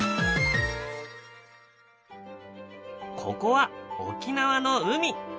ここは沖縄の海。